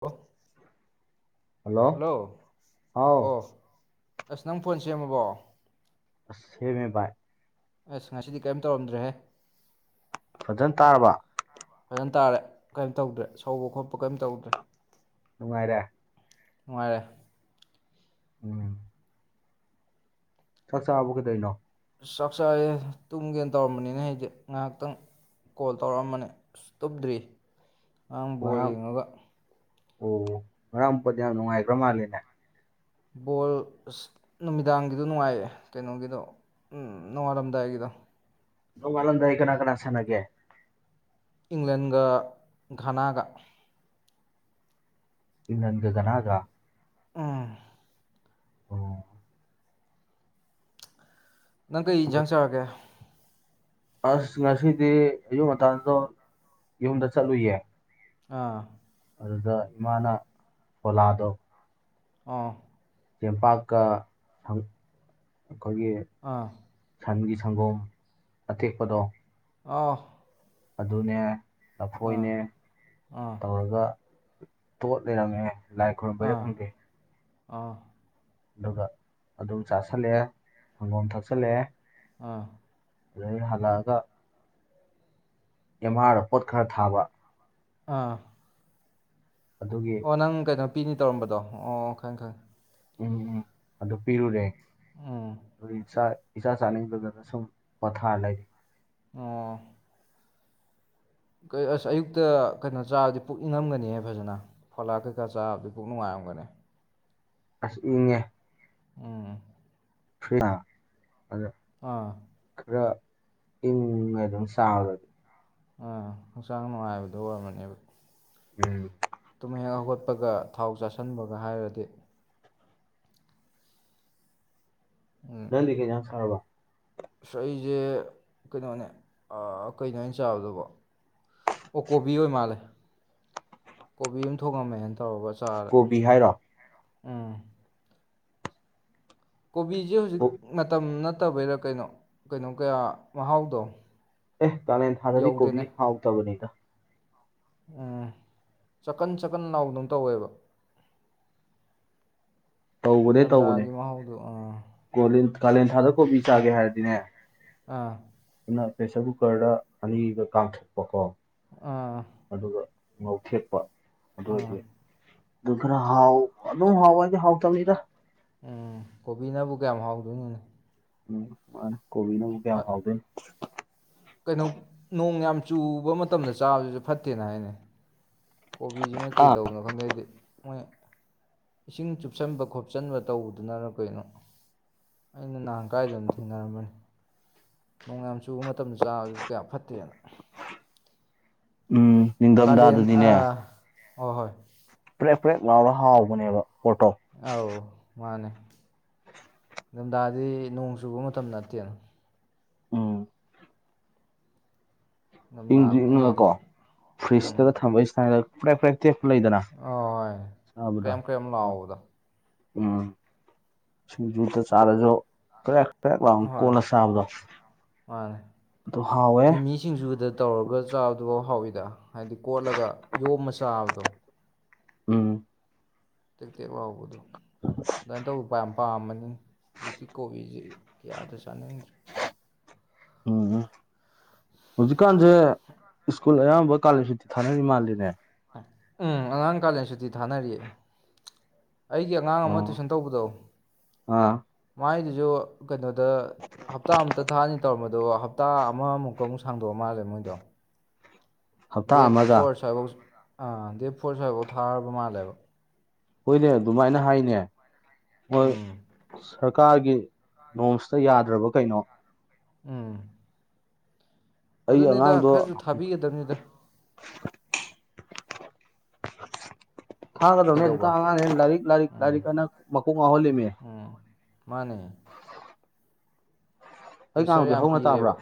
ꯑꯣ ꯍꯜꯂꯣ ꯍꯥꯎ ꯑꯣ ꯑꯁ ꯅꯪ ꯐꯣꯟ ꯁꯦꯝꯃꯕꯣ ꯁꯦꯃꯦ ꯕꯥꯏ ꯑꯁ ꯉꯁꯤꯗꯤ ꯀꯔꯤꯝ ꯇꯧꯔꯝꯗ꯭ꯔꯦꯍꯦ ꯐꯖꯅ ꯇꯥꯔꯕ ꯅꯟ ꯇꯥꯔꯦ ꯀꯔꯤꯝ ꯇꯧꯗ꯭ꯔꯦ ꯁꯧꯕ ꯈꯣꯠꯄ ꯀꯔꯤꯝ ꯇꯧꯗ꯭ꯔꯦ ꯑꯅꯨꯡꯉꯥꯏꯔꯦ ꯃꯥꯅꯨꯡꯉꯔꯦ ꯎꯝ ꯆꯥꯛ ꯆꯥꯕ ꯀꯩꯗꯣꯏꯅꯣ ꯑꯁ ꯆꯥꯛ ꯆꯑꯦ ꯇꯨꯝꯒꯦꯅ ꯇꯧꯔꯝꯕꯅꯤꯅ ꯍꯥꯏꯗꯤ ꯉꯥꯏꯍꯥꯛꯇꯪ ꯀꯣꯜ ꯇꯧꯔꯛꯑꯝꯕꯅꯦ ꯑꯁ ꯇꯨꯝꯨꯞꯗ꯭ꯔꯤ ꯑ ꯕꯣꯜ ꯉꯔꯥꯡ ꯌꯦꯡꯉꯒ ꯑꯣ ꯉꯔꯥꯡ ꯃꯨꯄꯗ ꯌꯥꯝ ꯅꯨꯡꯉꯥꯏꯈ꯭ꯔ ꯃꯥꯂꯦꯅꯦ ꯕꯣꯜ ꯑꯁ ꯅꯨꯃꯤꯗꯥꯡꯒꯤꯗꯣ ꯅꯨꯡꯉꯥꯏꯌꯦ ꯀꯩꯅꯣꯒꯤꯗꯣ ꯎꯝ ꯅꯨꯡꯉꯥꯏꯔꯝꯗꯥꯏꯒꯤꯗꯣ ꯑꯣ ꯋꯥꯜꯂꯝꯗꯥꯏ ꯀꯅꯥ ꯀꯅꯥꯁꯅꯒꯦ ꯏꯪꯂꯦꯟꯒ ꯘꯅꯥꯒ ꯏ ꯑꯗꯨ ꯀꯅꯥꯒ ꯎꯝ ꯑꯣ ꯅꯪ ꯀꯩ ꯌꯦꯟꯖꯥꯡ ꯆꯥꯔꯒꯦ ꯑꯁ ꯉꯁꯤꯗꯤ ꯑꯌꯨꯛ ꯉꯟꯗꯣ ꯌꯨꯝꯗ ꯆꯠꯂꯨꯌꯦ ꯑꯥ ꯑꯗꯨꯗ ꯏꯃꯥꯅ ꯐꯣꯂꯥꯗꯣ ꯑꯥ ꯇꯦꯡꯄꯥꯛꯀꯪ ꯑꯩꯈꯣꯏꯒꯤ ꯑꯥ ꯁꯒꯤ ꯁꯪꯒꯣꯝ ꯑꯇꯦꯛꯄꯗꯣ ꯑ ꯑꯗꯨ ꯑꯗꯨꯅꯦ ꯅꯐꯣꯏꯅꯦ ꯑꯥ ꯇꯧꯔꯒ ꯇꯣꯠ ꯂꯩꯔꯃꯦꯦ ꯂꯥꯏ ꯈꯔꯕꯦ ꯊꯪꯗꯦ ꯑ ꯑꯗꯨꯒ ꯑꯗꯨꯝ ꯆꯥꯥꯁꯜꯂꯛꯑꯦ ꯁꯪꯒꯣꯝ ꯊꯛꯆꯜꯂꯛꯑꯦ ꯑꯥ ꯑꯗꯗꯒꯤ ꯍꯜꯂꯛꯑꯒ ꯌꯦꯝꯍꯥꯔ ꯄꯣꯠ ꯈꯔ ꯊꯥꯕ ꯑꯥ ꯑꯗꯨꯒꯤ ꯑꯣꯅꯪ ꯀꯩꯅꯣ ꯅꯨꯄꯤꯅꯤ ꯇꯧꯔꯝꯕꯗꯣ ꯑꯣ ꯈꯪꯑꯦ ꯈꯪꯑꯦ ꯎꯝ ꯎꯝ ꯑꯗꯨ ꯄꯤꯔꯨꯔꯦ ꯈꯪꯉꯦ ꯑꯗꯨ ꯏꯆꯥ ꯆꯥꯅꯤꯡꯕꯒꯗ ꯁꯨꯝ ꯄꯣꯊꯥ ꯂꯩꯔꯤ ꯑꯣ ꯑꯁ ꯑꯌꯨꯛꯇ ꯀꯩꯅꯣ ꯆꯥꯕꯗꯤ ꯄꯨꯛꯅꯤꯡꯉꯝꯒꯅꯤꯍ ꯐꯖꯅ ꯐꯣꯂꯥꯛ ꯀꯩꯀꯥ ꯆꯥꯕꯗꯤ ꯄꯨꯛ ꯅꯨꯡꯉꯥꯏꯔꯝꯒꯅꯤ ꯑꯁ ꯏꯦ ꯎꯝ ꯐ ꯑꯥ ꯄꯨꯔꯥ ꯏꯪ ꯑꯗꯨꯝ ꯁꯥꯒꯗꯤ ꯑꯥ ꯍꯛꯆꯥꯡ ꯅꯨꯡꯉꯥꯏꯕꯗ ꯑꯣꯏꯔꯝꯃꯅꯦꯕ ꯎꯝ ꯇꯃꯤ ꯆꯠꯄꯒ ꯊꯥꯎ ꯆꯥꯥꯁꯟꯕꯒ ꯍꯥꯏꯔꯗꯤ ꯅꯈꯦ ꯌꯥꯝ ꯁꯥꯔꯕ ꯑ ꯑꯩꯁꯦ ꯀꯩꯅꯣꯅꯦ ꯀꯩꯅꯣ ꯑꯣꯏꯅ ꯆꯥꯕꯗꯧꯕ ꯑꯣ ꯀꯣꯕꯤ ꯑꯣꯏ ꯃꯥꯜꯂꯦ ꯀꯣꯕꯤ ꯑꯃ ꯊꯣꯡꯉꯝꯃꯦ ꯑ ꯇꯧꯕ ꯆꯥꯔꯦ ꯀꯣꯕꯤ ꯍꯥꯏꯔꯣ ꯎꯝ ꯀꯣꯕꯤꯁꯦ ꯍꯧꯖꯤꯛ ꯃꯇꯝ ꯐꯠꯇꯕꯩꯔꯥ ꯀꯩꯅꯣ ꯀꯩꯅꯣ ꯀꯌꯥ ꯃꯍꯥꯎꯗꯣ ꯑꯦ ꯇ ꯅ ꯊꯥꯗꯤ ꯌꯧꯗꯦꯅꯦ ꯀꯣꯕꯤ ꯍꯥꯥꯎꯥꯎꯛ ꯇꯕꯅꯤꯗ ꯎꯝ ꯆꯀꯟ ꯁꯀꯟ ꯅꯥꯎꯗꯪ ꯇꯧꯋꯦꯕ ꯇꯧꯕꯅꯦ ꯇꯧꯕꯅꯦ ꯊꯝꯊꯥꯒꯤ ꯃꯍꯥꯎꯗꯨꯣ ꯑꯥ ꯀꯣꯂꯦꯟ ꯀꯥꯂꯦꯟ ꯊꯥꯗ ꯀꯣꯕꯤ ꯆꯥꯒꯦ ꯍꯥꯏꯔꯗꯤꯅꯦ ꯑꯥ ꯑꯗꯨꯅ ꯄ꯭ꯔꯦꯁꯔ ꯀꯨꯀꯔꯗ ꯑꯅꯤꯒ ꯀꯥꯊꯣꯛꯄ ꯀꯣ ꯑꯥ ꯑꯗꯨꯒ ꯅꯣꯛꯈꯦꯄ ꯑꯥ ꯑꯗꯨꯣꯏꯗꯦ ꯑꯗꯨ ꯈꯔ ꯍꯥꯎ ꯑꯗꯨꯣ ꯍꯥꯎꯋꯥ ꯍꯥꯎ ꯀꯅꯤꯗ ꯎꯝ ꯀꯣꯕꯤꯅꯕꯨ ꯀꯌꯥꯝ ꯍꯥꯎꯗꯣꯏꯅꯣꯅꯦ ꯎꯝ ꯍ ꯀꯣꯕꯤꯅ ꯀꯌꯥ ꯐꯥꯎꯗ ꯀꯩꯅꯣ ꯅꯣꯡ ꯌꯥꯝ ꯆꯨꯕ ꯃꯇꯝꯗ ꯆꯥꯕꯁꯤꯁꯨꯦ ꯐꯠꯇꯦꯅ ꯍꯥꯏꯅꯩ ꯀꯣꯕꯤꯁꯤ ꯃꯣꯏ ꯀꯩ ꯑꯥ ꯇꯧꯕꯅꯣ ꯈꯪꯗꯦꯗꯤ ꯃꯣꯏ ꯏꯁꯤꯡ ꯆꯨꯞꯁꯤꯟꯕ ꯈꯣꯠꯆꯟꯕ ꯇꯧꯕꯗꯨꯅ ꯀꯩꯅꯣ ꯑꯩꯅ ꯅꯍꯥꯟ ꯀꯥꯏꯗꯅ ꯊꯦꯡꯅꯔꯝꯕꯅꯤ ꯅꯣꯡ ꯌꯥꯝ ꯆꯨꯕ ꯃꯇꯝꯗ ꯆꯥꯕꯁꯨ ꯀꯌꯥ ꯐꯠꯇꯦꯅ ꯎꯝ ꯅꯤꯡꯊꯝꯊꯥꯗꯗꯤꯅꯦ ꯑ ꯍꯣꯏ ꯄ꯭ꯔꯦꯛ ꯄ꯭ꯔꯦꯛ ꯂꯥꯎꯔ ꯍꯥꯎꯕꯅꯦꯕ ꯄꯣꯠꯇꯣ ꯑꯥꯎ ꯃꯥꯅꯦ ꯝꯗꯥꯗꯤ ꯅꯣꯡ ꯆꯨꯕ ꯃꯇꯝ ꯅꯠꯇꯦ ꯑ ꯏꯪꯗꯨ ꯏꯪꯊꯝꯊꯥꯅ ꯏꯪꯉꯒ ꯀꯣ ꯍꯦꯜꯂꯤ ꯐ꯭ꯔꯤꯖꯇꯒ ꯊꯝꯕꯩ ꯁꯥꯏꯗ ꯐꯦ ꯐ꯭ꯔꯦ ꯑ ꯀꯩꯝ ꯀꯩ ꯂꯥꯎꯑꯣ ꯑꯣꯗ ꯎꯝꯨꯗ ꯆꯥꯔꯦꯖ ꯀ ꯄꯔꯛꯂ ꯀꯣꯂ ꯆꯥꯕꯗꯣ ꯑꯗꯨ ꯍꯥꯎꯋꯦ ꯃꯤ ꯃꯤꯁꯤꯡꯁꯨꯗ ꯇꯧꯔꯒ ꯆꯥꯕꯗꯨ ꯍꯥꯎꯋꯤ ꯗ ꯍꯥꯏꯗꯤ ꯀꯣꯠꯂꯒ ꯌꯣꯝꯃ ꯆꯥꯕꯗꯣ ꯎꯝ ꯇꯦꯛ ꯇꯦꯛ ꯂꯥꯎꯕꯗꯣ ꯅꯇꯣ ꯎꯝ ꯄꯥꯝꯃꯅꯤ ꯍꯧꯖꯤꯛꯇꯤ ꯀꯣꯕꯤꯁꯤ ꯀꯌꯥꯗ ꯆꯥꯅꯤꯡꯗ꯭ꯔꯦ ꯎꯝ ꯍꯧꯖꯤ ꯀꯥꯟꯁꯦ ꯁ꯭ꯀꯨꯜ ꯑꯌꯥꯝꯕ ꯀꯥꯂ ꯁꯨꯇꯤ ꯊꯥꯅꯔꯤ ꯃꯥꯜꯂꯤꯅꯦ ꯎꯝ ꯑꯉꯥꯡ ꯀꯥꯂꯦꯟ ꯁꯇꯤ ꯊꯥꯅꯔꯤꯌꯦ ꯑꯩꯒꯤ ꯑꯉꯥꯡ ꯑꯃ ꯇꯨꯏꯁꯟ ꯑꯥ ꯇꯧꯕꯗꯣ ꯃꯥꯥꯏꯗꯨ ꯌ ꯀꯩꯅꯣꯗ ꯍꯞꯇꯥ ꯑꯝꯇ ꯊꯥꯅꯤ ꯇꯧꯔꯝꯃꯗ ꯑꯗꯣ ꯍꯞꯇꯥ ꯑꯃꯃꯨꯛꯀ ꯑꯃꯨꯛ ꯁꯥꯡꯗꯣꯛꯑ ꯃꯥꯜꯂꯦ ꯃꯣꯏꯗꯣ ꯍꯞꯇꯥ ꯗꯦꯠ ꯑꯃꯒ ꯐꯣꯔ ꯁ꯭ꯋꯥꯏꯐꯥꯎ ꯑꯥ ꯗꯦꯠ ꯐꯣꯔ ꯁ꯭ꯋꯥꯏꯐꯥꯎ ꯊꯥꯔꯕ ꯃꯥꯜꯂꯦꯕ ꯍꯣꯏꯅꯦ ꯑꯗꯨꯃꯥꯏꯅ ꯍꯥꯏꯅꯦ ꯃꯣꯏ ꯎꯝ ꯁꯔꯀꯥꯔꯒꯤ ꯅꯣꯝꯁꯇ ꯌꯥꯗ꯭ꯔꯕ ꯀꯩꯅꯣ ꯎꯝ ꯑꯩ ꯑꯗꯨꯅꯤꯗ ꯑꯉꯥꯡꯗꯣ ꯈꯔꯁꯨ ꯊꯥꯕꯤꯒꯗꯕꯅꯤꯗ ꯊꯥꯡꯒꯗꯧꯅꯦ ꯇ ꯀꯩꯗꯧꯕ ꯑꯉꯥꯡ ꯍ ꯂꯥꯏꯔꯤꯛ ꯂꯥꯏꯔꯤꯛ ꯎꯝ ꯂꯥꯏꯔꯤꯛ ꯑꯅ ꯃꯈꯀꯣꯡ ꯉꯥꯎꯍꯜꯂꯤꯃꯦ ꯎꯝ ꯃꯥꯅꯦ ꯑꯩ ꯄ꯭ꯔꯦꯁꯔ ꯉꯥꯡꯕꯗꯤ ꯌꯥꯝ ꯍꯧꯅ ꯇꯥꯕ꯭ꯔꯥ ꯄꯤꯔꯦꯕ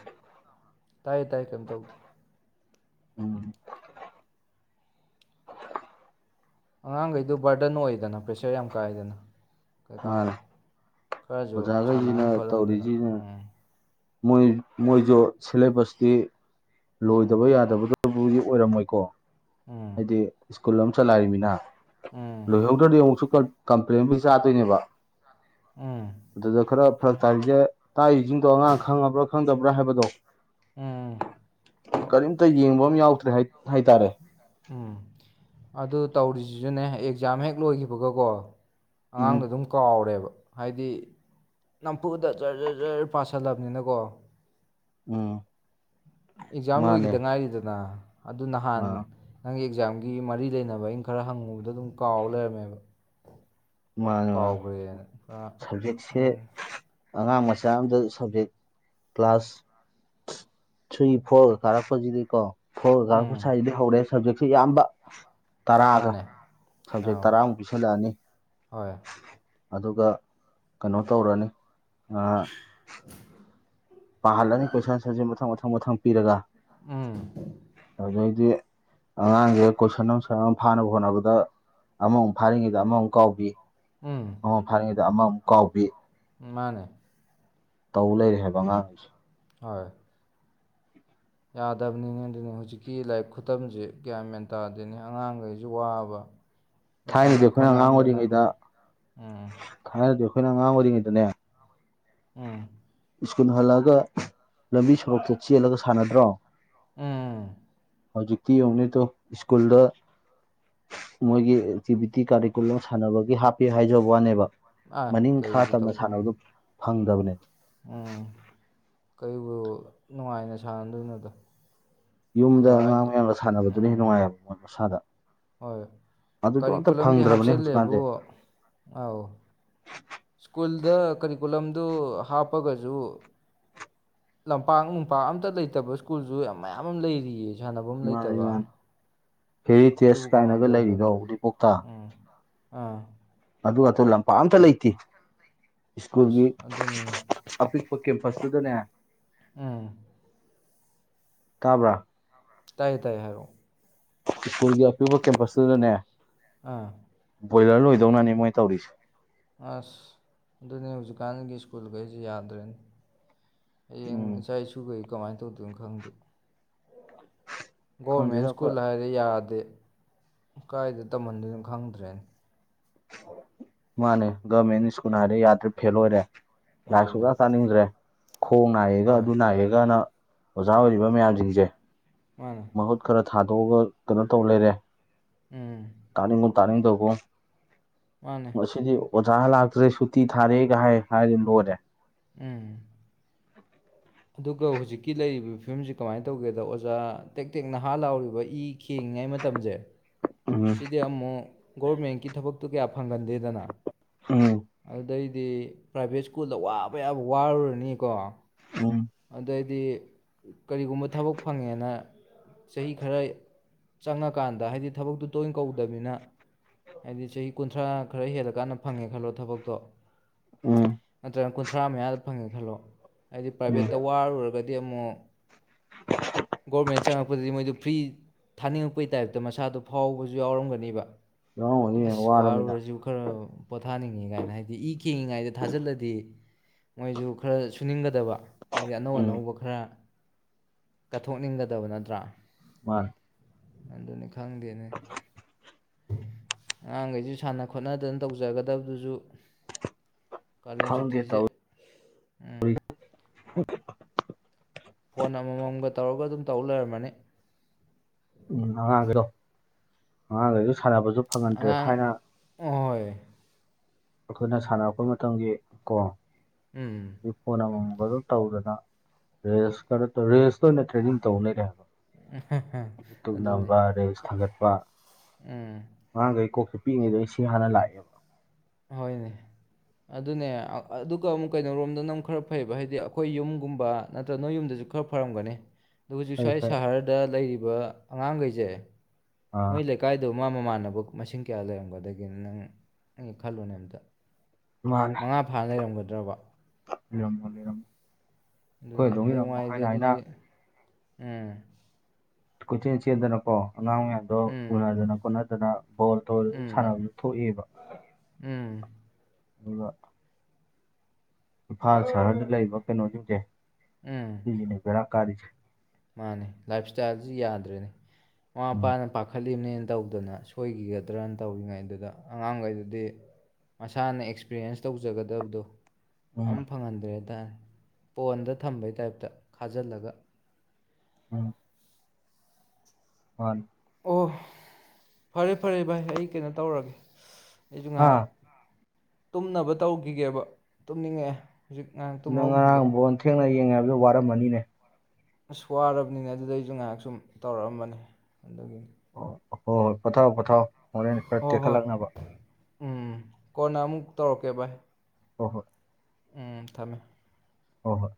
ꯇꯥꯏ ꯇꯥꯏ ꯀꯩꯝ ꯇꯧꯗꯦ ꯎꯝ ꯑꯉꯥꯡꯈꯩꯗꯨ ꯕꯔꯗꯟ ꯑꯣꯏꯗꯅ ꯄ꯭ꯔꯦꯁꯔ ꯌꯥꯝ ꯀꯥꯏꯗꯅ ꯀꯩꯀꯥꯟ ꯃꯥꯅꯦ ꯈꯔꯁꯨ ꯑꯣꯖꯥꯈꯩꯁꯤꯅ ꯁꯥꯟꯅꯍꯟ ꯈꯣꯠꯍꯟꯗꯅ ꯇꯧꯔꯤꯁꯤꯅ ꯎꯝ ꯃꯣꯏ ꯃꯣꯏꯁꯨ ꯁꯤꯂꯦꯕꯁꯇꯤ ꯎꯝ ꯂꯣꯏꯗꯕ ꯌꯥꯗꯕꯗ ꯑꯗꯨꯕꯨꯗꯤ ꯑꯣꯏꯔꯝꯃꯣꯏꯀꯣ ꯍꯥꯏꯗꯤ ꯁ꯭ꯀꯨꯜ ꯑꯃ ꯆꯠꯂꯥꯏꯔꯤꯃꯤꯅ ꯎꯝ ꯂꯣꯏꯍꯧꯗ꯭ꯔꯗꯤ ꯑꯃꯨꯛꯁꯨ ꯀ ꯀꯝꯄ꯭ꯂꯦꯟꯕꯨ ꯆꯥꯠꯇꯣꯏꯅꯦꯕ ꯎꯝ ꯎꯝ ꯑꯗꯨꯗ ꯈꯔ ꯐꯔꯛ ꯇꯥꯔꯤꯁꯦ ꯇꯥꯔꯤꯁꯤꯡꯗꯣ ꯑꯉꯥꯡ ꯈꯪꯉꯕ꯭ꯔꯥ ꯈꯪꯗꯕ꯭ꯔꯥ ꯍꯥꯏꯕꯗꯣ ꯎꯝ ꯀꯔꯤꯝꯇ ꯌꯦꯡꯕ ꯑꯃ ꯌꯥꯎꯗ꯭ꯔꯦ ꯍꯥꯏꯇꯥꯔꯦ ꯎꯝ ꯑꯗꯨ ꯇꯧꯔꯤꯁꯤꯁꯨꯅꯦ ꯑꯦꯛꯖꯥꯝ ꯍꯦꯛ ꯂꯣꯏꯈꯤꯕꯒꯀꯣ ꯑꯉꯥꯡꯗꯣ ꯎꯝ ꯑꯗꯨꯝ ꯀꯥꯎꯔꯦꯕ ꯍꯥꯏꯗꯤ ꯅꯝꯐꯨꯗ ꯖꯔ ꯖꯔ ꯖꯔ ꯄꯁꯤꯜꯂꯕꯅꯤꯅꯀꯣ ꯑ ꯑꯦꯛꯖꯥꯝ ꯂꯣꯏꯈꯤꯗ ꯉꯥꯏꯔꯤꯗꯅ ꯑꯗꯨ ꯅꯍꯥꯟ ꯑꯥ ꯅꯪꯒꯤ ꯑꯦꯛꯖꯥꯝꯒꯤ ꯃꯔꯤ ꯂꯩꯅꯕ ꯑꯩꯅ ꯈꯔ ꯍꯪꯉꯨꯕꯗ ꯑꯗꯨꯝ ꯀꯥꯎꯔ ꯂꯩꯔꯝꯃꯦꯕ ꯃꯥꯅꯦ ꯃꯥ ꯀꯥꯎꯈ꯭ꯔꯦꯅ ꯈꯔ ꯁꯕꯖꯦꯛꯁꯦ ꯎꯝ ꯑꯉꯥꯡ ꯃꯁꯤꯡꯁ ꯆꯛꯝꯗ ꯁꯕꯖꯦꯛ ꯀ꯭ꯂꯥꯁ ꯊ꯭ꯔꯤ ꯐꯣꯔꯒ ꯀꯥꯔꯛꯄꯁꯤꯗꯤꯀꯣ ꯎꯝ ꯍꯣꯏꯒꯥꯡꯕꯨꯁꯥꯏꯗꯤ ꯍꯧꯔꯦ ꯁꯕꯖꯦꯛꯁꯦ ꯑꯌꯥꯝꯕ ꯇꯔꯥꯒ ꯃꯥꯅꯦ ꯁꯕꯖꯦꯛ ꯑꯥꯎ ꯇꯔꯥꯃꯨꯛ ꯄꯤꯁꯤꯜꯂꯛꯑꯅꯤ ꯍꯣꯏ ꯑꯗꯨꯒ ꯀꯩꯅꯣ ꯇꯧꯔꯅꯤ ꯑꯥ ꯄꯥꯔꯂꯅꯤ ꯀꯣꯏꯁꯁ ꯃꯊꯪ ꯃꯊꯪ ꯃꯊꯪ ꯄꯤꯔꯒ ꯎꯝ ꯑꯗꯨꯗꯗꯤ ꯑꯉꯥꯡꯁꯦ ꯀꯣꯏꯁꯟ ꯑꯃꯁꯟ ꯑꯃ ꯐꯥꯅꯕ ꯍꯣꯠꯅꯕꯗ ꯑꯃꯃꯨꯛ ꯐꯥꯔꯤꯉꯩꯗ ꯑꯃꯃꯨꯛ ꯀꯥꯎꯕꯤ ꯎꯝ ꯑꯣ ꯐꯔ ꯑꯃꯃꯨꯛ ꯀꯥꯎꯕꯤ ꯃꯥꯅꯦ ꯇꯧ ꯂꯩꯔꯦ ꯍꯥꯏꯕ ꯑꯉꯥꯡꯈꯩꯁꯦ ꯍꯣꯏ ꯌꯥꯗꯕꯅꯤꯅꯦ ꯑꯗꯨꯅꯤ ꯍꯧꯖꯤꯛꯀꯤ ꯂꯥꯏꯔꯤꯛ ꯈꯨꯇꯝꯁꯦ ꯒ꯭ꯌꯥ ꯃꯦꯟ ꯇꯥꯗꯦꯅꯦ ꯑꯉꯥꯡꯈꯩꯁꯤ ꯋꯥꯕ ꯊꯥꯏꯅꯗꯤ ꯁꯥꯟꯅ ꯑꯩꯈꯣꯏꯅ ꯑꯉꯥꯡ ꯈꯣꯠꯅꯍꯟꯗꯅ ꯑꯣꯏꯔꯤꯉꯩꯗ ꯎꯝ ꯊꯥꯏꯅꯗꯤ ꯑꯩ ꯑꯩꯈꯣꯏꯅ ꯑꯉꯥꯡ ꯑꯣꯏꯔꯤꯉꯩꯗꯅꯦ ꯎꯝ ꯁ꯭ꯀꯨꯜ ꯍꯜꯂꯛꯒ ꯂꯝꯕꯤ ꯁꯣꯔꯣꯛꯇ ꯆꯦꯜꯂꯒ ꯁꯥꯟꯅꯗ꯭ꯔꯣ ꯎꯝ ꯍꯧꯖꯤꯛꯇꯤ ꯌꯦꯡꯅꯤꯗꯣ ꯁ꯭ꯀꯨꯜꯗ ꯃꯣꯏꯒꯤ ꯑꯦꯛꯇꯤꯚꯤꯇꯤ ꯀꯥꯔꯤꯀꯨꯂꯝ ꯁꯥꯟꯅꯕꯒꯤ ꯍꯥꯞꯄꯦ ꯍꯥꯏꯖꯕ ꯋꯥꯅꯦꯕ ꯑꯥ ꯃꯅꯤꯡꯈꯥ ꯀꯔꯤꯕꯨ ꯇꯝꯅ ꯇꯧꯗꯣꯏꯅꯣꯗ ꯁꯥꯟꯅꯕꯗꯨꯣ ꯐꯪꯗꯕꯅꯦ ꯎꯝ ꯀ ꯅꯨꯡꯉꯥꯏꯅ ꯁꯥꯟꯅꯗꯣꯏꯅꯣꯗꯣ ꯌꯨꯝꯗ ꯑꯉꯥꯡ ꯃꯌꯥꯝꯗ ꯁꯥꯟꯅꯕꯗꯨꯅ ꯍꯦꯟꯅ ꯅꯨꯡꯉꯥꯏꯌꯦꯕ ꯃꯣꯏ ꯃꯁꯥꯗ ꯍꯣꯏ ꯑꯗꯨꯗꯣ ꯑꯝꯇ ꯀꯔꯤꯀꯨꯂꯝꯗꯤ ꯐꯪꯗ꯭ꯔꯕꯅꯦ ꯍꯧꯖꯤꯛꯀꯥꯟꯁꯦ ꯍꯥꯞꯆꯤꯜꯂꯦꯕꯨꯕꯣ ꯑꯧ ꯁ꯭ꯀꯨꯜꯗ ꯀꯔꯤꯀꯨꯂꯝ ꯑꯗꯨ ꯍꯥꯞꯄꯒꯁꯨ ꯂꯝꯄꯥꯛ ꯅꯨꯡꯄꯥꯛ ꯑꯝꯇ ꯂꯩꯇꯕ ꯁ꯭ꯀꯨꯜꯁꯨ ꯌꯥꯝ ꯃꯌꯥꯝ ꯑꯃ ꯂꯩꯔꯤꯌꯦ ꯁꯥꯟꯅꯐꯝ ꯃꯥꯅꯤ ꯂꯩꯇꯕ ꯃꯥꯅꯤ ꯍꯦꯔꯤꯇꯦꯖ ꯑꯗꯨꯕꯨ ꯀꯃꯥꯏꯅ ꯀꯥꯏꯅꯒ ꯂꯩꯔꯤꯗꯣ ꯇꯧꯗꯣꯏꯅꯣ ꯎꯔꯤꯄꯣꯛꯇ ꯎꯝ ꯑꯥ ꯑꯗꯨꯒ ꯇꯨ ꯂꯝꯄꯥꯛꯝꯇ ꯂꯩꯇꯦ ꯑꯁ ꯁ꯭ꯀꯨꯜꯒꯤ ꯑꯗꯨꯅꯤꯅꯦ ꯑꯄꯤꯛꯄ ꯀꯦꯝꯄꯁꯇꯨꯗꯅꯦ ꯎꯝ ꯇꯥꯕ꯭ꯔꯥ ꯇꯥꯏꯌꯦ ꯇꯥꯏꯌꯦ ꯍꯥꯏꯌ ꯁ꯭ꯀꯨꯜꯒꯤ ꯑꯄꯤꯄ ꯀꯦꯝꯄꯁꯇꯨꯗꯅꯦ ꯑꯥ ꯕꯣꯏꯂꯔ ꯂꯣꯏꯗꯧꯅꯅꯤ ꯃꯣꯏ ꯇꯧꯔꯤꯁꯦ ꯑꯁ ꯑꯗꯨꯅꯤ ꯍꯧꯖꯤꯛꯀꯥꯟꯒꯤ ꯁ꯭ꯀꯨꯜꯈꯩꯁꯤ ꯌꯥꯗ꯭ꯔꯦꯅꯦ ꯎꯝ ꯆꯥꯏꯁꯨꯨ ꯀꯩ ꯀꯃꯥꯏꯅ ꯇꯧꯗꯣꯏꯅꯣ ꯈꯪꯗꯦ ꯒꯣꯔꯃꯦꯟ ꯈꯪꯗꯦꯗ ꯑꯩꯈꯣꯏ ꯁ꯭ꯀꯨꯜ ꯍꯥꯏꯗꯤ ꯌꯥꯗꯦ ꯀꯥꯏꯗ ꯇꯝꯍꯟꯗꯣꯏꯅꯣ ꯈꯪꯗ꯭ꯔꯦꯅ ꯃꯥꯅꯦ ꯒꯚꯃꯦꯟ ꯁ꯭ꯀꯨꯜ ꯍꯥꯏꯔꯦ ꯌꯥꯗ꯭ꯔꯦ ꯐꯦꯜ ꯑꯣꯏꯔꯦ ꯑꯗꯨꯅꯦ ꯂꯥꯏꯍꯥꯛꯁꯨꯒ ꯆꯥꯅꯤꯡꯗ꯭ꯔꯦ ꯈꯣꯡ ꯅꯥꯏꯌꯦꯒ ꯍꯣꯏ ꯑꯗꯨ ꯅꯥꯏꯑꯒꯅ ꯑꯣꯖꯥ ꯑꯣꯏꯔꯤꯕ ꯃꯌꯥꯝꯁꯤꯡꯁꯦ ꯃꯥꯅꯦ ꯃꯥꯎꯠ ꯈꯔ ꯊ ꯊꯥꯗꯣꯛꯑꯒ ꯀꯩꯅꯣ ꯇꯧ ꯂꯩꯔꯦ ꯎꯝ ꯇꯅꯤ ꯇꯅꯤꯡ ꯇꯕ ꯃꯥꯅꯦ ꯃꯁꯤꯁꯤꯗꯤ ꯑꯣꯖꯥ ꯂꯥꯛꯇ꯭ꯔꯦ ꯁꯨꯇꯤ ꯊꯥꯔꯦꯒꯥꯏ ꯍꯥꯏꯔꯦ ꯂꯣꯏꯔꯦ ꯎꯝ ꯑꯗꯨꯒ ꯍꯧꯖꯤꯛꯀꯤ ꯂꯩꯔꯤꯕ ꯐꯤꯕꯝꯁꯤꯦ ꯀꯃꯥꯏꯅ ꯇꯧꯒꯦꯗ ꯑꯣꯖꯥ ꯇꯦꯛ ꯇꯦꯛ ꯅꯍꯥ ꯂꯥꯎꯔꯤꯕ ꯏ ꯈꯦꯡꯉꯤꯉꯩ ꯃꯇꯝꯁꯦ ꯎꯝ ꯁꯤꯗꯤ ꯑꯃꯃꯣ ꯔꯃꯦꯟꯀꯤ ꯊꯕꯛ ꯇꯨ ꯀ ꯐꯪꯒꯟꯗꯦꯗꯅ ꯎꯝ ꯑꯗꯨꯗꯩ ꯍꯥꯏꯗꯤ ꯄ꯭ꯔꯥꯏꯚꯦꯠ ꯁ꯭ꯀꯨꯜꯗ ꯋꯥꯕ ꯌꯥꯕ ꯋꯥꯔꯨꯔꯅꯤꯀꯣ ꯎꯨꯝ ꯍꯥꯏꯗꯤ ꯀꯔꯤꯒꯨꯝꯕ ꯊꯕꯛ ꯐꯪꯉꯦꯅ ꯆꯍꯤ ꯈꯔ ꯆꯪꯉꯀꯥꯟꯗ ꯍꯥꯏꯗꯤ ꯊꯕꯛꯇꯨ ꯇꯣꯏꯅ ꯀꯧꯗꯅꯤꯅ ꯍꯥꯏꯗꯤ ꯆꯍꯤ ꯀꯨꯟꯊ꯭ꯔꯥ ꯈꯔ ꯍꯦꯜꯂ ꯀꯥꯟꯗ ꯐꯪꯉꯦ ꯈꯜꯂꯣ ꯊꯕꯛꯇꯣ ꯎꯝ ꯅꯠꯇ꯭ꯔꯒ ꯀꯨꯟꯊ꯭ꯔꯥ ꯃꯉꯌꯥꯗ ꯐꯪꯉꯦ ꯈꯜꯂꯣ ꯍꯥꯏꯗꯤ ꯎꯝ ꯄ꯭ꯔꯥꯏꯚꯦꯠꯇ ꯋꯥꯔꯨꯔꯒꯗꯤ ꯍꯥꯏꯗꯤ ꯑꯃꯨꯛ ꯒꯣꯔꯃꯦꯟ ꯆꯪꯉꯛꯄꯗꯗꯤ ꯃꯣꯏꯗꯨ ꯐ꯭ꯔꯤ ꯊꯥꯅꯤꯡꯉꯛꯄꯒꯤ ꯇꯥꯏꯞꯇ ꯃꯁꯥꯗꯣ ꯐꯥꯎꯕꯁꯨ ꯌꯥꯎꯔꯝꯒꯅꯤꯕ ꯌꯥꯎꯔꯝꯒꯅꯤ ꯑꯁ ꯋꯥꯔꯕꯅꯤꯅ ꯋꯥꯔꯨꯔꯁꯨ ꯈꯔ ꯄꯣꯊꯥꯅꯤꯡ ꯀꯥꯏꯅ ꯍꯥꯏꯗꯤ ꯏ ꯀꯤꯉꯤꯉꯩꯗ ꯊꯥꯖꯤꯜꯂꯗꯤ ꯃꯣꯏꯁꯨ ꯈꯔ ꯁꯨꯅꯤꯡꯒꯗꯕ ꯍꯥꯏꯗꯤ ꯑꯅꯧ ꯎꯝ ꯑꯅꯧꯕ ꯈꯔ ꯀꯠꯊꯣꯛꯅꯤꯡꯒꯗꯕ ꯅꯠꯇ꯭ꯔꯥ ꯃꯥ ꯑꯅꯤ ꯈꯥꯡ [inaudible] ꯑꯉꯥꯡꯈꯩꯁꯨ ꯁꯥꯟꯅ ꯈꯣꯠꯅꯗꯅ ꯇꯧꯖꯒꯗꯕꯗꯨꯁꯨ ꯀꯂꯦꯟ ꯈꯪꯗꯦ ꯁꯨꯇꯁ ꯇꯧ ꯐꯣꯟ ꯑꯃꯃꯝꯒ ꯇꯧꯔꯒ ꯑꯗꯨꯝ ꯇꯧ ꯂꯩꯔꯝꯃꯅꯤ ꯎꯝ ꯑꯉꯥꯡ ꯍꯥꯏꯒ꯭ꯔꯣ ꯑꯉꯥꯡ ꯍꯥꯏ ꯁꯥꯟꯅꯕꯁꯨ ꯐꯪꯍꯟꯗ꯭ꯔꯦ ꯑꯉꯥꯡ ꯊꯥꯏꯅ ꯑꯍꯣꯏ ꯑꯩꯈꯣꯏꯅ ꯁꯥꯟꯅꯔꯛꯄ ꯃꯇꯝꯒꯤ ꯀꯣ ꯎꯝ ꯐꯅꯃ ꯇꯧꯗꯅ ꯔꯦꯁꯅ ꯔꯦꯁꯇ ꯑꯣꯏꯅ ꯇ꯭ꯔꯦꯅꯤꯡ ꯇꯧ ꯂꯩꯔꯦ ꯍꯥꯏꯕ ꯎꯝ ꯇꯅꯝꯕꯔꯦ ꯈ ꯋꯥ ꯎꯝ ꯑꯥꯡ ꯀꯩ ꯀꯣ ꯐ ꯄꯤꯉꯩꯗꯣ ꯁꯤ ꯍꯥꯟꯅ ꯂꯥꯛꯑꯦꯕ ꯍꯣꯏꯅꯦ ꯑꯗꯨꯅꯦ ꯑꯗꯨꯒ ꯑꯃꯨꯛ ꯀꯩꯅꯣꯣꯔꯣꯝꯗꯅ ꯑꯃꯨꯛ ꯈꯔ ꯐꯩꯕ ꯍꯥꯏꯗꯤ ꯑꯩꯈꯣꯏ ꯌꯨꯝꯒꯨꯝꯕ ꯅꯠꯇ꯭ꯔꯒ ꯅꯣꯏ ꯌꯨꯝꯗꯁꯨ ꯈꯔ ꯐꯔꯝꯒꯅꯤ ꯑꯗꯣ ꯍꯧꯖꯤꯛ ꯐꯩ ꯁ꯭ꯋꯥꯏ ꯐꯩ ꯁꯍꯔꯗ ꯂꯩꯔꯤꯕ ꯑꯗꯨꯒ ꯑꯉꯥꯡꯈꯩꯁꯦ ꯑꯥ ꯃꯣꯏꯂꯦ ꯀꯥꯏꯗꯣꯛ ꯃꯃꯥ ꯃꯃꯥꯟꯅꯕꯕꯨ ꯃꯁꯤꯡ ꯀꯌꯥ ꯂꯩꯔꯝꯒꯗꯒꯦꯅ ꯅꯪ ꯑ ꯈꯜꯂꯨꯅꯦ ꯑꯝꯇ ꯃꯥꯅꯦ ꯃꯉꯥ ꯐꯥꯅ ꯂꯩꯔꯝꯒꯗ꯭ꯔꯕ ꯏꯔꯝꯔꯝ ꯑꯗꯨꯅꯦ ꯍꯌꯦꯡꯉꯥꯏꯗꯤꯦ ꯑꯗꯨꯗꯤ ꯎꯝ ꯀꯣꯆꯤꯡ ꯆꯦꯗꯅꯀꯣ ꯑꯉꯥꯡ ꯃꯌꯥꯝꯗꯣ ꯎꯝ ꯎꯅꯗꯅ ꯈꯣꯠꯅꯗꯅ ꯕꯣꯜ ꯇꯧꯔꯁꯨ ꯎꯝ ꯁꯥꯟꯅꯕꯁꯨ ꯊꯣꯛꯑꯦꯕ ꯎꯝ ꯑꯗꯨꯒ ꯏꯝꯐꯥꯜ ꯁꯍꯔꯗ ꯂꯩꯕ ꯀꯩꯅꯣꯁꯤꯡꯁꯦ ꯎꯝ ꯁꯤꯅꯤ ꯐꯦꯔ ꯀꯥꯔꯤꯖ ꯃꯥꯅꯦ ꯂꯥꯏꯐ ꯏꯁꯇꯥꯏꯜꯁꯨ ꯌꯥꯗ꯭ꯔꯦꯅꯦ ꯃꯃꯥ ꯎꯝ ꯃꯄꯥꯅ ꯄꯥꯈꯠꯂꯤꯕꯅꯦ ꯇꯧꯗꯅ ꯁꯣꯏꯈꯤꯒꯗ꯭ꯔꯅ ꯇꯧꯔꯤꯉꯩꯗꯨꯗ ꯑꯉꯥꯡꯈꯩꯗꯨꯗꯤ ꯃꯁꯥꯅ ꯑꯦꯛꯁꯄꯤꯔꯤꯌꯦꯟꯁ ꯇꯧꯖꯒꯗꯕꯗꯣ ꯎꯝ ꯑꯝ ꯐꯪꯍꯟꯗ꯭ꯔꯦ ꯄꯣꯟꯗ ꯊꯝꯕꯩ ꯇꯥꯏꯞꯇ ꯈꯥꯖꯤꯜꯂꯒ ꯍ ꯑꯣ ꯐꯔꯦ ꯐꯔꯦ ꯚꯥꯏ ꯑꯩ ꯀꯩꯅꯣ ꯇꯧꯔꯒꯦ ꯑꯩꯖꯨꯝꯥ ꯍꯥ ꯇꯨꯝꯅꯕ ꯇꯧꯈꯤꯒꯦꯕ ꯇꯨꯝꯅꯤꯡꯉꯑꯦ ꯅꯪ ꯉꯔꯥꯡꯕꯣꯟꯅ ꯊꯦꯡꯅꯩ ꯌꯦꯡꯉꯦ ꯍꯥꯏꯕꯗꯣ ꯋꯥꯔꯝꯃꯅꯤꯅꯦ ꯑꯁ ꯋꯥꯔꯕꯅꯤꯅꯦ ꯑꯗꯨꯗꯩꯁꯨ ꯉꯥꯏꯍꯥꯛ ꯁꯨꯝ ꯇꯧꯔꯛꯑꯝꯕꯅꯦ ꯑꯗꯨꯒꯤ ꯑꯣ ꯍꯣ ꯍꯣꯏ ꯄꯊꯥꯥꯎ ꯄꯊꯥꯥꯎ ꯃꯣꯔꯦꯟꯅ ꯈꯔ ꯍꯣꯏ ꯍꯣꯏ ꯇꯦꯛꯈꯠꯂꯛꯅꯕ ꯎꯝ ꯀꯣꯟꯅ ꯑꯃꯨꯛ ꯇꯧꯔꯛꯀꯦ ꯚꯥꯏ ꯍꯣꯏ ꯍꯣꯏ ꯎꯝ ꯊꯝꯃꯦ ꯍꯣꯏ ꯍꯣꯏ